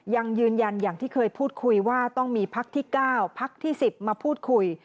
ยังยืนยันอย่างที่เคยพูดคุยว่าต้องมีพักที่๙พักที่๑๐มาพูดคุย